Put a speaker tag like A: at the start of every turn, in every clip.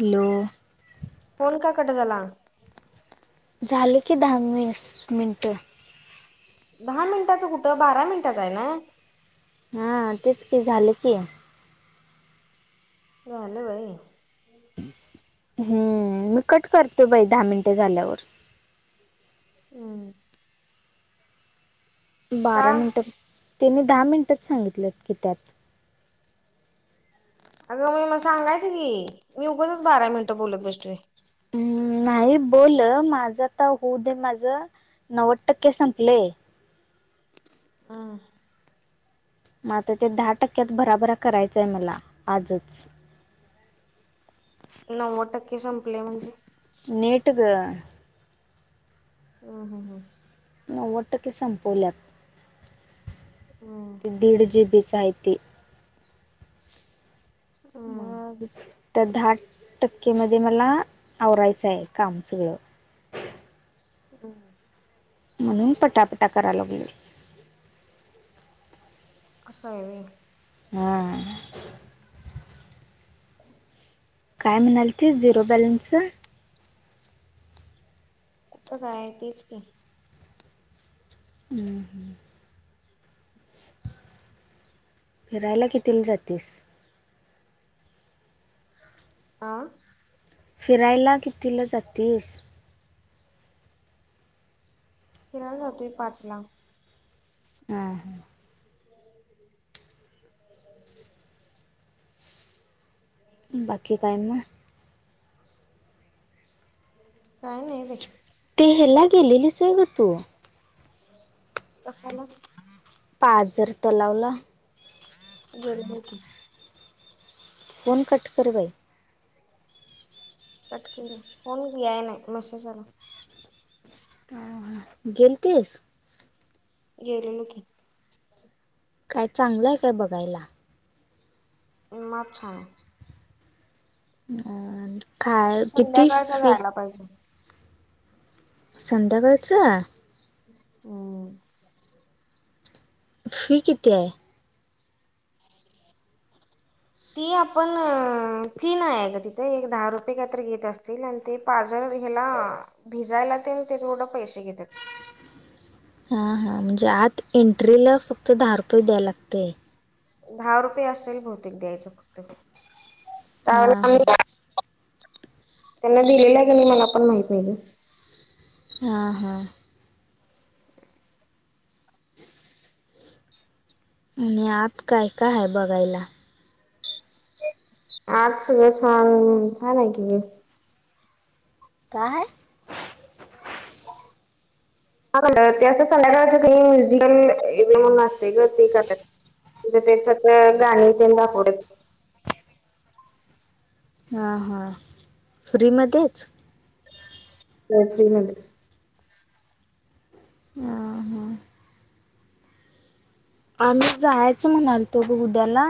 A: Hello.
B: Phone का cut झाला?
A: झालं की दहा मिन मिनटं.
B: दहा मिनिटाचं कुठं बारा मिनिटाचं आहे ना.
A: हा तेच की झालं की.
B: झाल होय.
A: हम्म मी कट करते बाई दहा मिनटे झाल्यावर.
B: हम्म. का?
A: बारा मिनटं त्याने दहा मिनिटंच सांगितलेत की त्यात.
B: अगं मी म सांगायचं की मी उगतच बारा मिनटं बोलत बसले.
A: हम्म नाही बोल माझता होऊ दे माझ नव्वद टक्के संपलेय
B: हं.
A: म अता ते दहा टक्क्यात भराभरा करायचा आहे मला आजच.
B: नव्वद टक्के संपले म्हणजे?
A: नेट गं
B: ह ह.
A: नव्वद टक्के संपवल्यात
B: हम्म
A: दीड जी, बी च आहे ते.
B: हम्म हम्म
A: मग.. तर दहा टक्केमध्ये मला आवरायचं आहे काम सगळं
B: हम.
A: म्हणून पटापटा करा लागलोय.
B: अस आहे वे.
A: हा. काय म्हणाल तिस झिरो बॅलेन्सच.
B: कुठे काय तेच की.
A: हम. फिरायला कितीला जातीस?
B: आ.
A: फिरायला कितीला जातीस?
B: खेळायला जातोय पाच ला.
A: हा.
B: [inaudible]
A: बाकी काय मंग?
B: काय नाही बाई.
A: ते हेला गेलेलीस होय ग तू?
B: कशाला.
A: पाजर तलाव ला.
B: [unintelligible]
A: फोन कट कर बाई.
B: कट केला फोन ये नाही मेसेज आला.
A: गेलतीस?
B: गेलेलो की.
A: काय चांगलंय काय बघायला?
B: माप छान आहे.
A: [unintelligible] य किती
B: संध्याकाळचा
A: फी?
B: जायला पाहिजे.
A: संध्याकाळचं.
B: हम्.
A: फी किती आहे?
B: फी आपण फी नाही आहे ग तिथं एक दहा रुपये काहीतरी घेत असतील आ ते पाजर ह्याला भिजायला तेन ते थोडं पैसे घेतात
A: हा हा म्हणजे आत एंट्रीला फक्त दहा रुपये द्याय लागतय.
B: दहा रुपये असेल बहुतेक द्यायचं फक्त
A: हां हां
B: [unintelligible] त्यांना दिलेल्या आहे [unintelligible] मला पण माहित नाही ग.
A: हां हां. आणि आत काय काय हाय बघायला.
B: आज सगळं छान, छान आहे की ग.
A: काय?
B: [unintelligible] सळ्याकालच [unintelligible] असते ग ते [unintelligible] गाणी ते दाखव.
A: हां हां, फ्रीमध्येच.
B: [unintelligible]
A: हा हा. आम्ही जायच म्हणालतो ग उद्याला.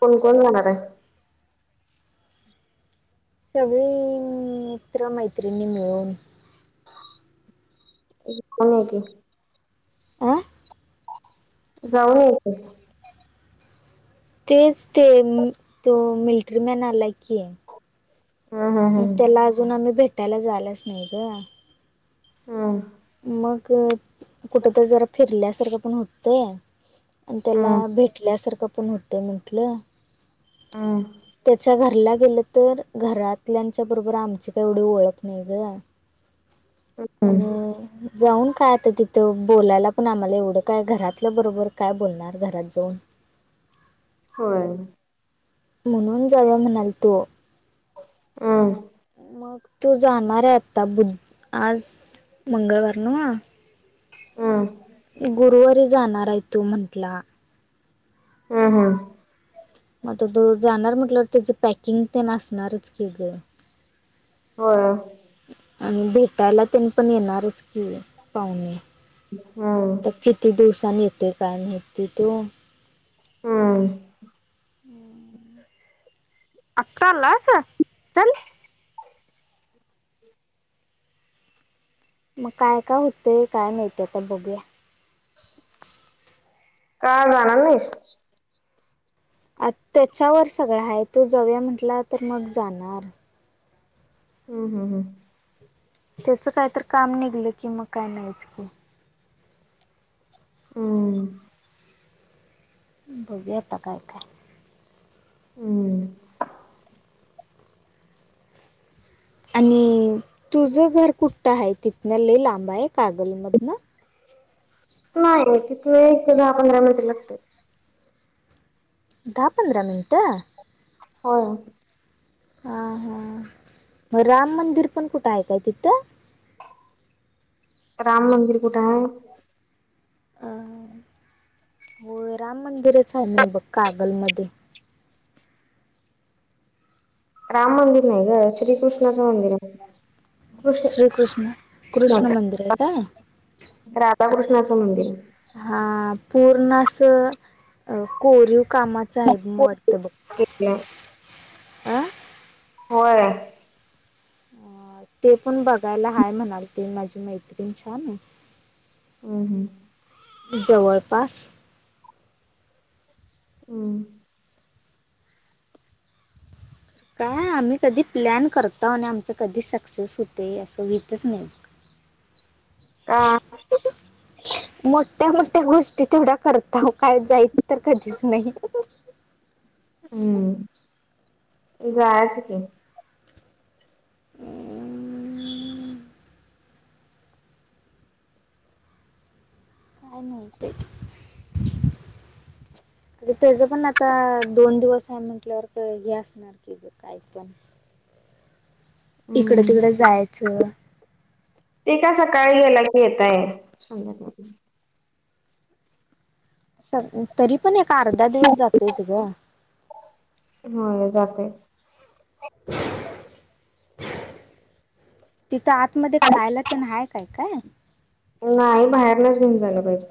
B: कोण कोण जाणार आहे?
A: सगळी मित्र मैत्रिणी मिळून.
B: [unintelligible]
A: आ.
B: जाऊन एकदा.
A: तेच ते तो मिलिट्री मॅन आलाय की
B: हम्म हम्म
A: मग
B: हम्म
A: त्याला अजून आम्ही भेटायला जाईलच नाही ग.
B: हम्.
A: मग कुठ तर जरा फिरल्यासारखं पण होतंय. आणि त्याला
B: हम्म
A: भेटल्यासारखं पण होतंय म्हंटलं.
B: हम.
A: त्याच्या घरला गेलं तर घरातल्याच्या बरोबर आमची का एवढी ओळख नाही ग.
B: हम्म
A: आणि जाऊन काय आता तिथं बोलायला पण आम्हाला एवढं काय घरातलं बरोबर काय बोलणार घरात जाऊन
B: होय
A: म्हणून जाऊया म्हणालतो
B: हं.
A: मग तू जाणार आहे आता बुध आज मंगळवार नव.
B: हम.
A: गुरुवारी जाणार आहे तू म्हंटला.
B: हम हम.
A: मग आता तो जाणार म्हटलंवर त्याच पॅकिंग तेन नसणारच की ग.
B: हो.
A: आणि भेटायला त्यांनी पण येणारच की पाहुणे
B: हम्म
A: आता किती दिवसनी येते काय माहिती तो
B: हम्म.
A: आता आलास चल मग काय काय होतय काय माहिती आता बघूया.
B: काय जाणार नाहीस
A: आ त्याच्यावर सगळं आहे त्यो जाऊया म्हटल्यावर तर मग जाणार.
B: हम् हम हं.
A: त्याचं काहीत काम निघलं की मग काय नाहीच की
B: हम्म.
A: बघूया आता काय काय?
B: हम्म.
A: आणि तुझं घर कुठठं आहे तिथन ल लांबा आहे कागलमधनं
B: नाही तिथ दहा पंधरा मिनिट लागतात.
A: दहा पंधरा मिनटं.
B: हो.
A: हा हा मग राम मंदिर पण कुठं आहे काय तिथं.
B: राम मंदिर कठ हाय
A: अ होय राम मंदिरच आहे म्हण बघ कागलमध्ये
B: राम मंदिर नाही ग श्रीकृष्णाचं मंदिर आहे. कृष्ण
A: श्रीकृष्ण कृष्ण मंदिर आहे काय.
B: राधाकृष्णाचं मंदिर.
A: हा पूर्ण असं कोरीव कामाचं आहे वाटतं बघ
B: [unintelligible]
A: अ
B: होय
A: ते पण बघायला हाय म्हणाल ते माझी मैत्रीिण छान.
B: हम् हम
A: जवळपास
B: हम्म
A: काय आम्ही कधी प्लॅन करताव आणि आमच कधी सक्सेस होते असं हुईतच नाही
B: का
A: बघ. [unintelligible] मोठ्या मोठ्या गोष्टी तेवढ्या करताव काय जाय. तर कधीच नाही..
B: हम्म इ गयाच क.
A: काय नव्हंच बाई. अ त्याच पण आता दोन दिवस आहे म्हटल्यावर का हे असणार की काही पण इकडं
B: हम्म
A: तिकडं जायचं..
B: ते का सकाळी गेला की येतय.
A: तरी पण एक अर्धा दिवस जातोच ग.
B: हो जाते.
A: [unintelligible] तिथं आतमध्येध्ये खायला तर नाहीय काय काय.
B: नाही बाहेर नाहीच घेऊन जालं पाहिजे.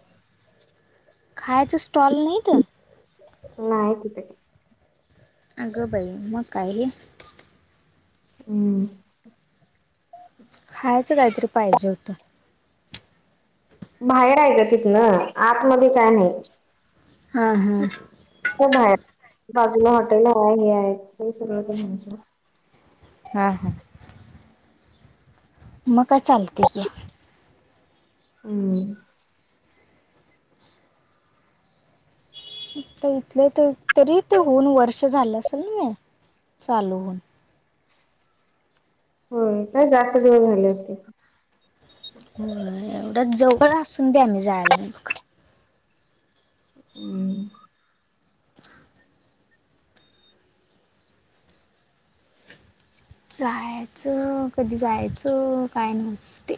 A: खायच स्टॉल नाही तर.
B: नाही तिथे.
A: अगं भाई मकायले.
B: हम्म.
A: खायचं काहीतरी पाहिजे होतं.
B: बाहेर ऐका तिथ ना आतमध्येध्ये काय नाही.
A: हा हा.
B: प आहे बाजूला हॉटेल आहे हे आहे सर म्हण.
A: हां हां. मग काय चालते की.
B: हम्म.
A: इथलं तर तरी ते होऊन वर्ष झालं असेल ना म चालू होऊन.
B: हो काय जास्त दिवस झाले असते.
A: हो एवढं जवळ असून बी आम्ही जायला.
B: हम्.
A: जायचं कधी जायचं काय नसते.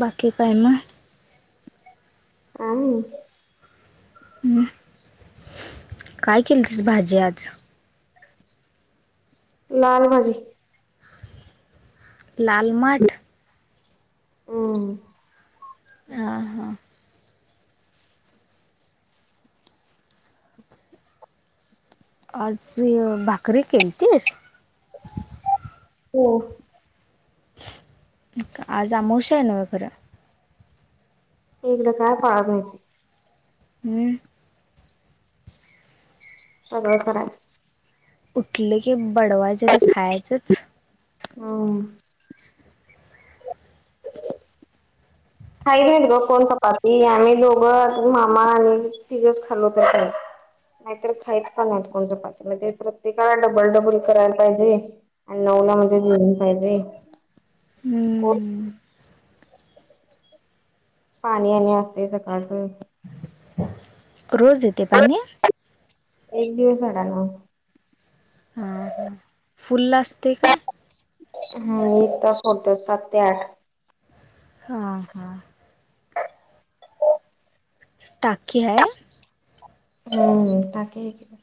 A: बाकी कायमा.
B: अ.
A: हम् काय केलं तस भाजी आज.
B: लाल माजी.
A: लालमाठ. हा हा.
B: हम्म.
A: आज भाकरी केलतीस.
B: हो.
A: ठी आज आमवश आहे नव्या घरं.
B: एकगड काय फळतयच.
A: हम्म.
B: न.
A: उठले की बडवायच ते खायचंच.
B: ह.
A: [unintelligible]
B: खाईले ग कोण चपाती आम्ही दोघं मामा आणि तिथस खाल्लो तर काही. नाहीतर खायच प नाही कोण चोपाचे म्हणजे प्रत्येकाला डबल डबल करायला पाहिजे. आणि नऊला म्हणजे जेनहिे.
A: हम्म.
B: पाणी आणि असते सकाळच.
A: रोज येते पा.
B: एक दिवस हडा मग.
A: हां हां फुल् ला असते काय.
B: हम् इ त सोडत सात ते आठ.
A: हां हां. टाकीी आहे.
B: हम्म टाकी आहे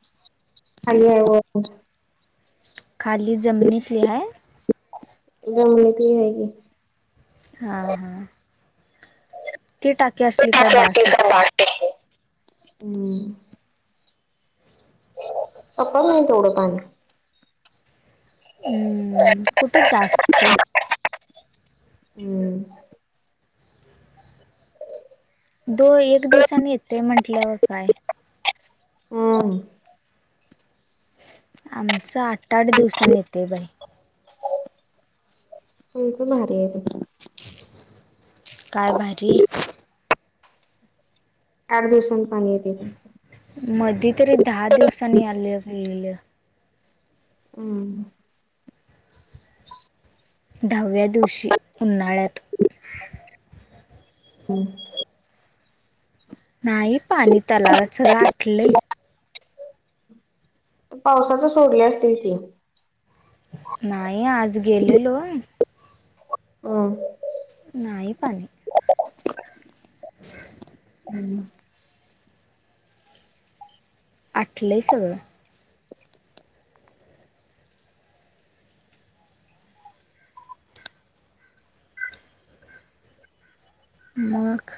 B: खाली आहे
A: खाली जमिनीतली हाय.
B: [unintelligible]
A: हां हां. ती टाकी असली काय बास होतय.
B: हम्म. सपत नाही तेवढ पाणी.
A: हम्म कुठं जास्त.
B: हम्म.
A: दो एक दिवसानी येतय म्हंटल्यावर काय.
B: हम्म.
A: आमचं आठ आठ दिवसांनी येतय बाई.
B: तुमचं भारी आहे बाई.
A: काय भारी?
B: आठ दिवसानी पाणी येतय ते.
A: मधी तरी दहा दिवसांनी आले लागलेल.
B: हम्म.
A: दहाव्या दिवशी उन्हाळ्यात.
B: हं
A: नाही पाणी तलाव सगळं आटलय.
B: पावसाचं सोडले असतील कि?
A: नाही आज गेलेलो.
B: हम्म.
A: नाही पाणी.
B: हम्म.
A: आठलंय सगळं. मग